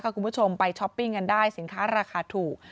คุณผู้ชมไปช้อปปิ้งกันได้สินค้าราคาถูก